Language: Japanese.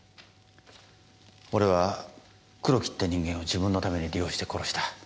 俺は黒木って人間を自分のために利用して殺した。